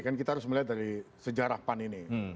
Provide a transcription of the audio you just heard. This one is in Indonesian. kan kita harus melihat dari sejarah pan ini